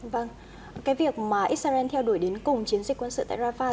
vâng cái việc mà israel theo đuổi đến cùng chiến dịch quân sự tại rafah